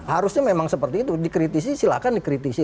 harusnya memang seperti itu dikritisi silahkan dikritisi